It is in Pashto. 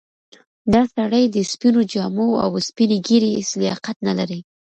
دا سړی د سپینو جامو او سپینې ږیرې هیڅ لیاقت نه لري.